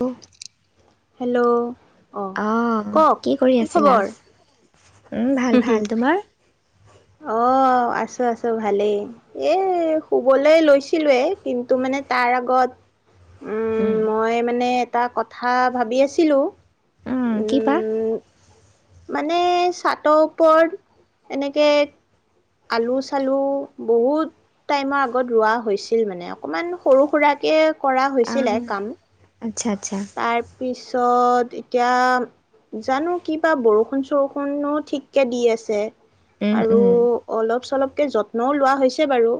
অ hello অ কওক কি কৰি আছিলা খবৰ উম ভাল ভাল তোমাৰ অ আছো আছো ভালেই এই শুবলৈ লৈছিলোয়ে কিন্তু মানে তাৰ আগত উম। মই মানে এটা কথা ভাবি আছিলো অহ কি বা উম মানে চাটৰ ওপৰত এনেকে আলু চালু বহুত টাইমৰ আগত ৰোৱা হৈছিল মানে অকণমান সৰু সুৰাকে কৰা আহ হৈছিলে কাম আচ্ছা আচ্ছা তত এতিয়া জানো কিবা বৰষুণ চৰষুণো ঠিককে দি আছে উম আৰু উম অলপ চলকে যত্ন লোৱা হৈছে বাৰু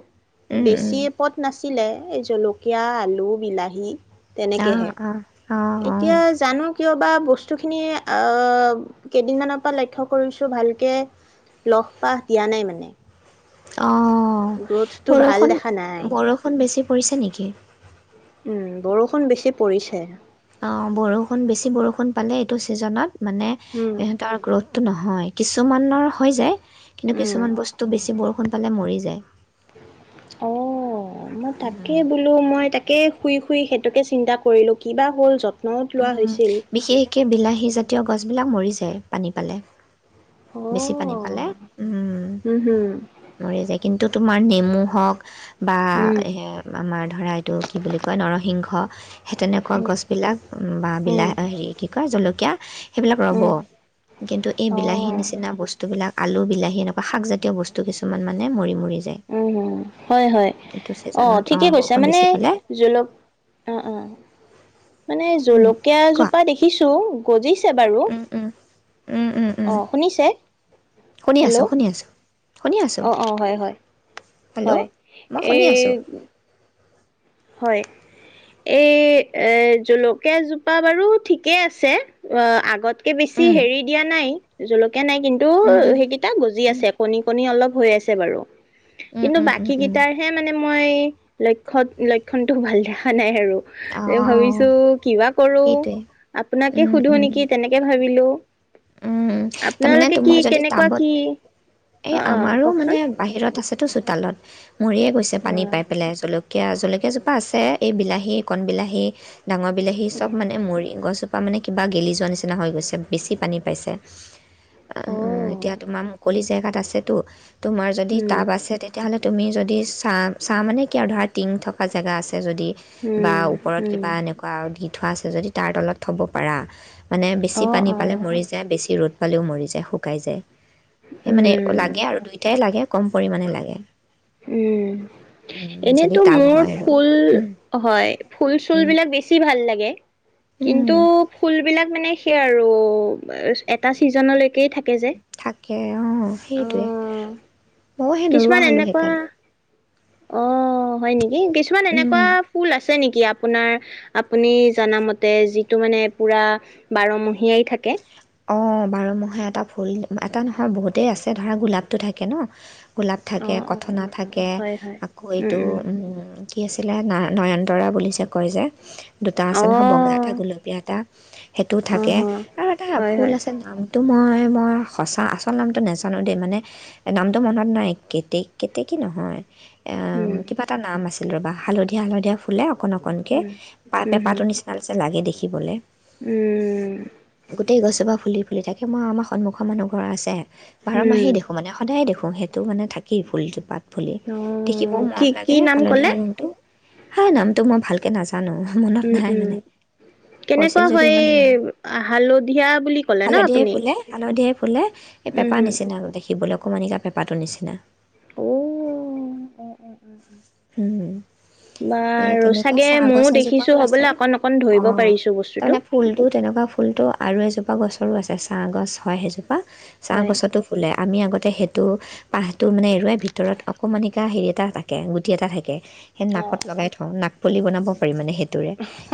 উম উম। বেছি পথ নাছিলে এই জলকীয়া আলু বিলাহী তেনেকে আহা অ অ এতিয়া জানো কিয় বা বস্তুখিনি আহ কেইদিনমানৰ পৰা লক্ষ্য় কৰিছো ভালকে লহ পাহ দিয়া নাই মানে অঁ গ্ৰোথটো বৰষুণ ভাল দেখা নাই বৰষুণ বেছি পৰিছে নেকি উম বৰষুণ বেছি পৰিছে অঁ বৰষুণ বেছি বৰষুণ পালে এইটো ছিজনত মানে উম সিহঁতৰ গ্ৰ'থটো নহয় কিছুমানৰ হৈ যায় কিন্তু উম কিছুমান বস্তু বেছি বৰষুণ এফালে মৰি যায় অ মই তাকে বোলো মই তাকে শুই শুই হেইতোকে চিন্তা কৰিলো কিবা হ'ল যত্নওত লোৱা উম হৈছে বিশেষকে বিলাহী জাতীয় গছ িলাক ম যায় পানী পালে বেছি পানী উম, পালে উম হুম, মৰি যায় কিন্তু তোমাৰ নেমু হওঁক বা উম, আমাৰ ধৰা এইটো কি বুলি কয় নৰসিংহ সেই তেনেকুৱা গছবিলাক বা উম, বিলাহ হেৰি কি কয় জলকীয়া সেইবিলাক ৰ'ব উম, কিন্তু এই বিলাহী অ', নিচিনা বস্তুবিলাক আলু বিলাহী এনেকুৱা শাকজাতীয় বস্তু কিছুমান মানে মৰি মৰি যায় উ হয় হয় এইটো অ ছিজনত অঁ ঠিকে কৈছা বৰষুণ মানে বেছি পালে জলক অ' অ' মানে জলকীয়া কোৱা জোপা দেখিছো কোজি। বাৰু উম উম উম উম উম অ শুনিছে শুনি হেল্ল' আছোঁ শুনি আছোঁ শুনি আছোঁ অ, অ, হয়, হয়। হেল্ল' হয় মই এ শুনি আছোঁ হয়, এই এ জলকীয়া জোপা বাৰু ঠিকেই আছে। অ আগত তে বেছি উম হেৰি দিয়া নাই। জলকীয়া এনে কিন্তু উম উম সেইকেইটা গজি উম আছে। কণী কণী অলপ হৈ আছে বাৰু উম কিন্তু উম উম বাকী উম কেইটাৰ হে মানে মই লক্ষ্যত লক্ষণতটো ভাল দেখা নাই আৰু। এ অঁ ভাবিছো কিবা কৰো সেইটোৱে আপোনাকে উম, সুধো উম, নেকি তেনেকে ভাবিলো। উম, তাৰমানে আপোনালোকে কি তোমাৰ যদি কেনেকুৱা টাবত কি এই অ অ আমাৰো মানে কওকচোন বাহিৰত আছে। চোতালত। মৰিয়ে গৈছে পানী উম পাই পেলাই চলক এতিয়া জলকীয়াজোপা আছে এই বিলাহী, কণ বিলাহী ডাঙৰ বিলাহী চব উম মানে মৰি গছপ ত মানে কিবা গেলি যোৱা নিচিনা হৈ গৈছে বেছি পানী পাইছে। অ, এতিয়া তোমাৰ মুকলি জেগাত তাত আছেতো তোমাৰ যদি উম টাব আছে তেতিয়াহ'লে তুমি যদি চা চাহ মানে কিয় ধৰা টিং থকা জেগা আছে আছে যদি বা উম ওপৰত উম কিবা এনেকুৱা গীত থোৱা আছে যদি তাৰ তলত থ'ব পাৰা। মানে অ বেছি পানী অ পালে মৰি যায়। ৰ'দ পালেও মৰি যায় শুকাই যায়। সেই মানে উম লাগে আৰু দুইটাই লাগে। কম পৰিমাণে লাগে। উম উম, যদি এনেতো টাব মোৰ হয় আৰু ফুল উম, হয় ফুল চুল উম, বিলাক বেছি ভাল লাগে। [unintelligible] উম, কিন্তু ফুল বিলাক মানে তাকেই আৰু এটা চিজনলৈকে থাকে যে। তাকে অ' সেইটোৱে ময়হে নৰুৱা কিছুমান হলো এনেকুৱা সেইকাৰণে অ' হয় নেকি? এ কিছুমান উম। এনেকুৱা ফুল আছে ছে নেকি আপোনাৰ আপুনি জনা মতে যিটো মানে পুৰা বাৰমহিয়াই থাকে অঁ বাৰ মহে এটা ফুল এটা নহয় বহুতেই আছে ধৰা গোলাপটো থাকে ন গোলাপ অ থাকে অ অ কথনা থাকে অ হয় হয় আকৌ এইটো উম কি আছিলে না নয়ন তৰা বুলি যাব কয় যে দুটা উম আছে অ নহয় বগা এটা গুলপীয়া এটা সেইটো অ থাকে হ আৰু হ হয় ফুল হয় আছে নামটো মই মই সঁচা আচল নামটো নাজানো দেই মানে নামটো মনত নাই কেতেক কেতেকী নহয় এ উম কিবা এটা নাম আছে ৰ'বা হালধীয়া হালধীয়া ফুলে অকন অকনকে উম পা উম পেপাৰ হম টো নিচিনা যে লাগে দেখি শিকিবলে উম এই গছোপা ফুলি ফুলি থাকে মই আমাৰ সন্মুখৰ মানুহ ঘৰ আছে বাৰ উম মাহে দেখো মানে সদায়ে দেখো সেইটো মানে থাকেই ফুলজোপাত বুলি দেখিব অ' কি মৰম কি লাগে নাম ক'লে? হালধীয়া ৰংটো হা নামটো মই ভাল কে নাছ উম উম কৈছিল কেনেকুৱা যদিও হয় মানে মনত আহ হালধীয়া বুলি ক'লে ন হালধিয়াই আপুনি ফুলে হালধিয়াই ফুলে এই উম, পেপাৰ হম। নিচিনা দেখিবলৈ অকণমানি কা পেপা টো নিচিনা অ উ উম এ তেনেকুৱা চাগে চাহ ময়ো গছ এজোপা দেখিছোঁ আছে হ'বলা অকণ অকণ অ ধৰিব পাৰিছোঁ তাৰ বস্তুটো। মানে ফুল টো তেনেকুৱা ফুলটো আৰু এজোপা এজোপা গছৰো আছে ছাঁ গছ হয় সেইজোপা চাঁ হয়। গছতো ফুলে আমি আগতে সেইটো পাহটো মানে এৰুৱাই ভিতৰত অকণমানিকা হেৰি এটা থাকে টি এটা থাকে সেই নাকত অ' লগাই থওঁ নাক পুলি বনাব পাৰি মানে সেইটো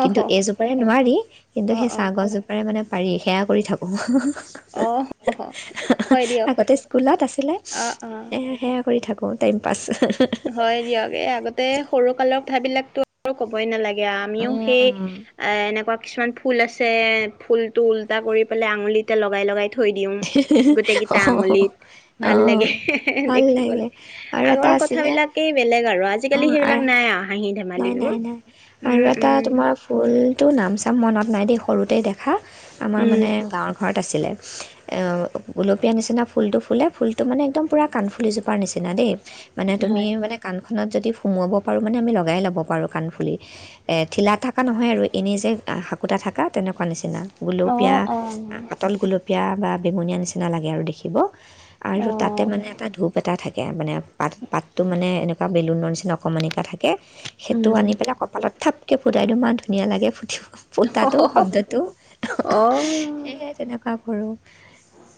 কিন্তু অ' এইজোপাৰে নোৱাৰি কিন্তু অ' সেই চাহ গছজোপাৰে মানে পাৰি সেয়া কৰি থাকোঁ। অ' অ' হয় দিয়ক। আগতে স্কুলত আছিলে অ' অ'। সেয়া কৰি থাকো ফুল টাইম পাছ হয় দিয়ক আগতে সৰু কালৰ কথাবিলাকো আৰু ক'বই নালাগে আমিও সেই এ এনেকুৱা কিছুমান ফুল আছে ফুলটো ওল্টা কৰি পেলাই আঙুলিতে লগাই লগাই থ থৈ দিম গোটেই অ কেইটা আঙুলিত অ ভাল লাগে ভাল লাগে দেখিবলৈ আৰু এটা আগৰ কথা আছিলে কথাবিলাকেই বেলেগ আৰু আজি অ আজিকালি সেইবিলাক আৰু নাইয়া নাই নাই নাই আৰু এটা উম তোমাৰ ফুলতটো নাম চাম চাম মনত নাই দেই সৰুতে দেখা হা আমাৰ উম মানে গাঁৱৰ ঘৰত আছিলে এউ গোলপীয়া নিচিনা ফুলটো ফুলে, ফুলটো মানে একদম পুৰা কানফুলি নিচিনা দেই মানে তুমি হয় মানে কাণ যদি সোমাব পাৰো মানে আমি লগ লগাই লোব পাৰো কানফুলি এখিলা ঠাকা নহয় আৰু এনে যে আহাক কুুটা থকা তেনেকুৱা নিচিনা অ গুলপীয়া অ পাতল গুলপীয়া বা বেঙুনীয়া নিচিনা লাগে আৰু দেখিব অ আৰু তাতে মানে এটা ধূপ এটা থাকে মানে পাত পাতটো মানে এনেকুৱা বেলুনৰ নিচিনা অকণমান এটা থাকে সেইটো উম আনি পেলাই কপালত থাপকৈ ফুটাই দিওঁ ইমান ধুনীয়া লাগে ফুট ফুটাটো শব্দটো অ সেই তেনেকুৱা কৰোঁ।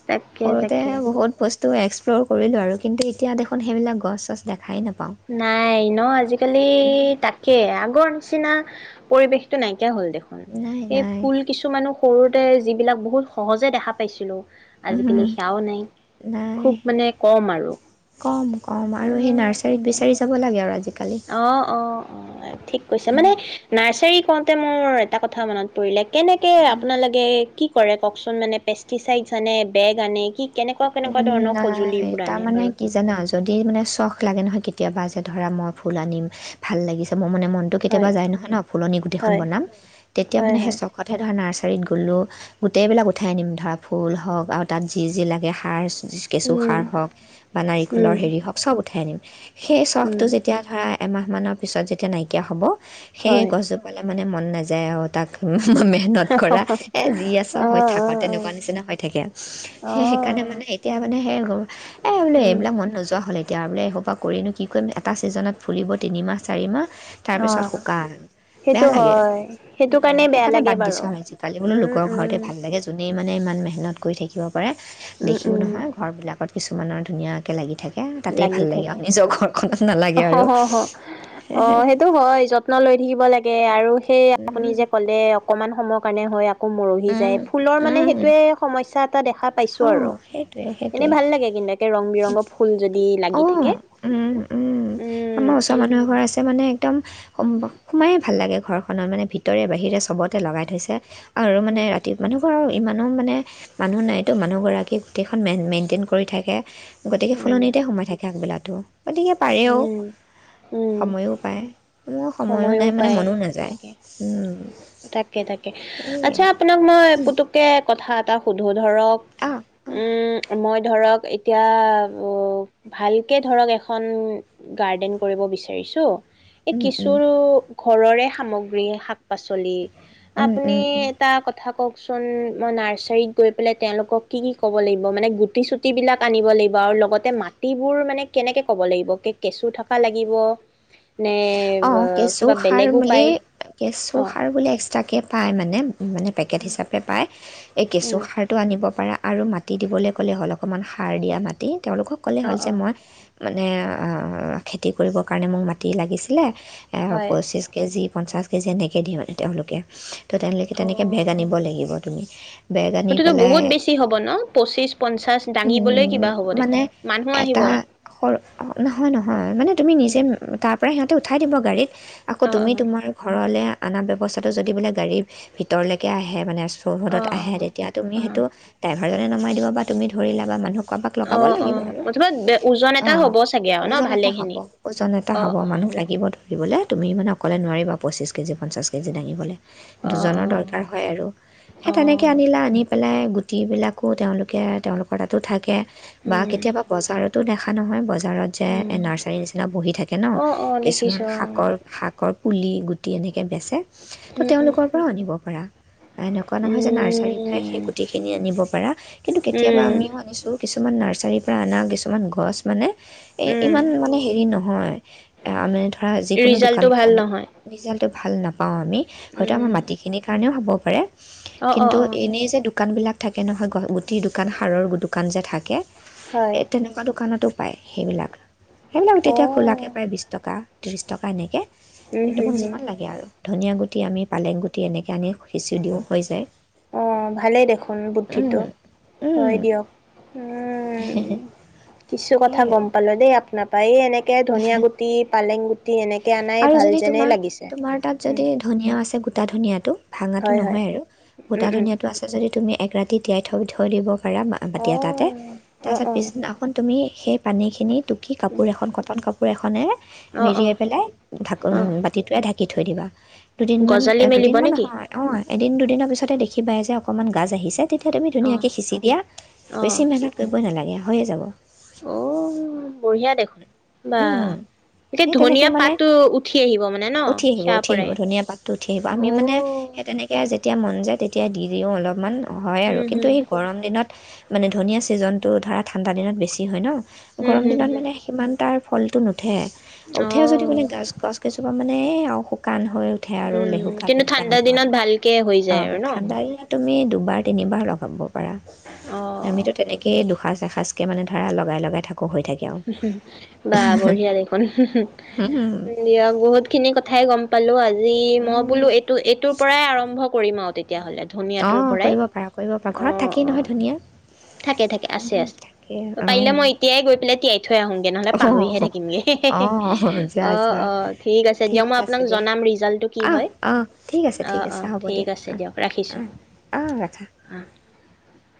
তাকে সৰুতে তাকে বহুত বস্তু তো এক্সপ্ল'ৰ কৰিলোঁ আৰু কিন্তু এতিয়া দেখোন সেইবিলাক গছ চছ দেখাই নাপাওঁ নাই ন আজিকালি। এই তাকে আগৰ নিচিনা পৰিৱেশটো নাইকিয়া হ'ল দেখোন নাই এই নাই ফুল কিছুমানো সৰুতে যিবিলাক বহুত সহজে দেখা পাইছিলোঁ উ নাই খুব মানে কম আৰু কম কম আৰু সেই নাৰ্চাৰীত তাকে বেছি চাৰি চাব লাগে আৰু আজি অ অ অ ঠিক কৈছে মানে নাৰ্চাৰী কত তে মোৰ এটা কথা মনত পৰিলে কেনেকে আপোনালোকে কি কৰে কওকচোন মানে পেষ্টিচাইডছ আনে বেগ আনে কি কেনেকুৱা কেনেকুৱা উম ধৰণৰ নাই সঁজুলিবোৰ আনে তাৰমানে বাৰু কি জানা যদি মানে চখ লাগে নহয় কেতিয়াবা যে ধৰা মই ফুল আনিম ভাল লাগিছে ম মানে মনটো কেতিয়াবা হয় যাই নহয় ন ফুলনি গোটেইখন হয় বনাম তেতিয়া হয় মানে সেই হয় চখত হে ধৰা নাৰ্চাৰী চাৰীত গ'লোঁ গোটেইবিলাক উঠাই আনিম ধৰা ফুল হওক আৰু তাত যি যি লাগে আইছ কেঁচু উম সাৰ হওক বা উম নাৰিকলৰ হেৰি হওক চব উঠাই আনিম সেই উম চখটো যেতিয়া ধৰা এমাহমানৰ পিছত যেতিয়া নাইকিয়া হ'ব। সেয়ে হয় গছজোপালে মানে মন নাযায় আৰু তাক মেহনত কৰা এ যি আছ অ হৈ থাক অ অ তেনেকুৱা নিচিনা হৈ থাকে অ সেই সেইকাৰণে মানে এতিয়া মানেই এই বোলো উম এইবিলাক মন নোযোৱা হ'ল এতিয়া এতিয়া বোলে এসোপ পৰা কৰিনো কি কৰিম এটা ছিজনত ফুলিব তিনিমাহ চাৰি মাহ অ তাৰপিছত শুকান বেয়া সেইটো লাগে হয় সেইটো উম কাৰণে বেয়া সেইকাৰণে লাগে বাদ দিছো বাৰু আৰু আজিকালি বোলো উম লোকৰ উম ঘৰতে ভাল লাগে যোনেই মানে ইমান মেহনত কৰি থাকিব পাৰে। উম দেখিও উম নহয় ঘৰবিলাকত কিছুমানৰ ধুনীয়াকে লাগি থাকে তাতেই লাগি ভাল লাগে আৰু থাকে নিজৰ ঘৰখনত নালাগে আৰু অ সেইটো হয় যত্ন লৈ থাকিব লাগে। কে আৰু সেই আপুনি যে ক'লে অকনমান সময় কাৰণে হয় আৰু। আকৌ মৰহি যায় ফুলৰ মানে সেইটোৱে সমস্যাত। টা দেখা পাইছো অঁ আৰু সেইটোৱে এনে সেইটোৱে ভাল লাগে কিন্তু একে ৰং বিৰঙৰ ফুল যদি লাগি থাকে অঁ উম আমাৰ ওচৰৰ মানুহ এঘৰ আছে মানে একদম সোমায়েই ভাল লাগে ঘৰখনত মানে ভিতৰে বাহিৰে চবতে লগাই থৈছে আৰু মানে উম ৰাতি মানুহ ঘৰ ইমানো মানে মানুহ নাই মানুহগৰাকী গোটেইখন মেইনটেইন কৰি থাকে। গতিকে উম ফুলনিতে সুমাই থাকে আগবেলত। তো গতিকে পাৰেও উম উম সময়ো পায় মোৰ, সময়ো নাই মানে পায়, মনো নাযায় তাকে, তাকে তাকে, সেনেকৈ আচ্ছা আপোনাক মই পুতুককে কথা এটা সোধো। ধৰক অঁ উম মই ধৰক এত তিয়া ব ভালকে ধৰক এখন গাৰ্ডেন কৰিব বিচাৰিছো। কিছুৰো ঘৰৰে সামগ্ৰী, শাক-পাচলি। আপনি অঁ এটা কথা কওক চল, মই নাৰ্চাৰিত গৈ পেলাই তেওঁলোকক কি কি ক'ব লাগিব, মানে গুটি চুট বিলাক আনিব লাগিব আৰু লগতে মাটিবোৰ মানে কেনেকে ক'ব লাগিব কেচু থকা লাগিব, নে? অ, ব কিবা কেঁচুসাৰ বেলেগো বুলি, পায় অ কেঁচুসাৰ বুলি এক্সট্ৰাকে পায় মানে, মানে পেকেট হিচাপে পায়। এ কেঁচু উম সাৰটো আনিব পাৰা। আৰু মাটি দিবলে ক'লে হ'ল, অকণমান সাৰ দিয়া মাটি। তেওঁলোকক ক'লেই অ হ'ল যে অ মই মানে আ, খেতি কৰিবৰ কাৰণে মোক মা টি লাগিছিলে। এহক হয় পঁচিছ কেজি, পঞ্চাছ যেনেকে দি মানে তেওঁলোকে। ত' তেনেকে অ তেনেকে বেগ আনিব লাগিব তুমি, বেগ আনি সেইটোতো পেলাই, বহুত বেছি হ'ব ন পঁচিশ পঞ্চাশ উ দাঙিবলৈ কিবা হ'ব মানে দেখোন মানুহ আহিব এটা স নহয়-নহয়, মানে তুমি নিজে উম, ম তাৰপৰাই সিহঁতে উঠাই দিব গাড়ীত। আকৌ অ অ তুমি তোমাৰ ঘৰলে আনা ব্যৱস্থাটো যদি বোলে গাড়ী ভিতৰলেকে আহে মানে, অ অ চৌহদত আহে, তেতিয়া তুমি হেতু ডাই ঘৰলে নমাই দিব বা তুমি ধৰিলা বা মানুহক অ, অ মুথবত ওজন এটা অ' হ'ব চাগে আৰু ন, ওজন ভালে এটা হ'ব খিনি। ওজন এটা হ'ব, মানুহ লাগিব ধৰিবলে, তুমি মানে অকলে নোৱাৰিবা, পঁচিছ কেজি, পঞ্চাছ কেজি দাঙিবলে। অ দুজনৰ দৰকাৰ অ হয় আৰু, সেই অ তেনেকে আনিলা, আনি পেলাই গোত টি বিলাকো তেওঁলোকে, তেওঁলোকৰ তাতো থাকে। বা উম কেতিয়াবা বজাৰতো দা খা নহয়, বজ জাৰত যে এ উম নাৰ্চাৰীৰ নিচিনা বহি থাক উ অ অ কিছুমান দেখিছোঁ অ শাকৰ শাক পুলি গুটি এনেকে বেচে ত' উম তেওঁলোকৰ পৰাও আনিব পাৰা এনেকুৱা উম নহয় যে নাৰ্চাৰীৰ পৰাই সেই উম গুটিখিনি আনিব পাৰা কিন্তু কেতিয়াবা উম আমিও আনিছোঁ। কিছুমান নাৰ্চাৰীৰ পৰা অনা কিছুমান গছ মানে এ উম ইমান মানে হেৰি নহয়। আমি ধৰা যিকোনো দোকান ৰিজাল্টটো ভাল নহয় ভাল নাপায়। পাওঁ আমি হয়তো আমাৰ উম মাটিখিনিৰ কাৰণেও হ'ব পাৰে। অ অ কিন্তু অ এনেই যে দোকানবিলাক থাকে নহয় গ গুটি দোকান সাৰৰ দোকান যে থাকে। হয় এ তেনেকুৱা দোকানতো পায় সেইবিলাক। সেই ন অ তেতিয়া খোলাকে টকা ত্ৰিছ টকা এনেকে উম হম তোমাক হম যিমান লাগে আৰু ধনীয়া গুটি গুটিমি পেংগুটি এনেকৈ আনি সিঁচি দিওঁ হৈ যায় অ', ভালেই দেখোন বুদ্ধিটো উম, উম হয় দিয়ক উম, কিছু কথা সেইয়াই আৰু। গম পালো দেই আপোনাৰ তায় এনেক কে ধনিয়া গুটি পালেং গু আৰু যদি তোমাৰ তোমাৰ তাত উম, যদি ধনিয়া আছে গ গটা ধুনীয়াটো। ভাঙা হয় হয়, নহয় আৰু উম গোটা উম, ধনীয়াটো আছে যদি তুমি এক ৰাতি তিয়াই থম থৈ দিৱস পাৰা মতি তাতে অ', অ' তাৰপিছত অ'। পিছদিনাখন তুমি সেই পানীখিনি টুকি কাপোৰ এখন কটন কাপোৰ কাপোৰ এখনে অ' অ', মেৰিয়াই পেলাই ঢাকোন অ', বাতিটোয়ে াকি থৈ দিবা। দুদিনমান গজালি এ মেলিব নেকি? দুদিনমানহয় অ এদিন দুদিনৰ পিছতে দেখি পায় যে অকণমান গাজ আহিছে। তেতিয়া তুমি অ', ধুনীয়াকৈ সিঁচি দিয়া বেছি অ'। মেহনত কৰিবই নালাগে আৰু হয়য়ে যাব অ বঢ়িয়া দেখোন বা। উম এতিয়া সেই তেনেকে ধনিয়া মানে পাতটো উঠি আহিব মানে ন, উঠি আহিব সেয়াৰ উঠি আহিব পৰাই, ধুনীয়া পাতটো উঠি আহিব আমি মানে অ'। সেই তেনেকে যেতিয়া তেতিয়া মন যায় তেতিয়া দি দিওঁ অলপমান হয় আৰু উম, কিন্তু হুম, সেই গৰম দিনত মানে ধনীয়া ছিজনটো ধৰা ঠাণ্ডা দিনত বেছি হয় ন হুম, গৰম হুম, দিনত হুম, মানে সিমান তাৰ ফলটো নতুন উঠে উঠে যদিও অ'। মানে গছ গছ কেইজোপা মান নে আৰু শুকান হৈ উঠে আৰু উম, লেহুকা কিন্তু পেহুকা ঠাণ্ডা এনেকুৱা আৰু দিনত ভালকে হৈ অ যায় আৰু ন? ঠাণ্ডা ইাত তুমি দুবাৰ তিনিবাৰ লগাব অ', আমিটো তেনেকে দুসাজ এসাজকে মানে ধৰা লগাই লগাই থাকো ক হৈ থাকে আৰু বা বঢ়িয়া দেখোন উম, দিয়ক বহুত খিনি কথাই গম পালো আজি যি মই উম, বোলো এইটো এইটোৰ পৰাই আৰম্ভ কৰিমা আৰু তেতি তেতিয়াাহ'লে ধনিয়টোৰ অঁ পৰাই কৰিব পাৰা কৰিব পাৰা অ ঘৰত থাকেই অ নহয় ধুনীয়া থাকে থাকে আছে উম, আছে তাকে পাৰিলে মই অ', এতিয়াই গৈ পেলাই তিয়াই থৈ আহোঁগৈ নহ'লে পাহৰিহে অ'। অ', থাকিমগৈ যোৱা অঁ যোৱা অঁ ঠিক আছে দিয়ক মই আছে আপোনাক দিয়া। জনাম ৰিজাল্টটো কি অ', হয় অ', ঠিক আছে ঠিক অঁ আছে অঁ হ'ব দিয়া ঠিক আছে অ', দিয়ক ৰাখিছোঁ অ', অ', ৰাখা। অ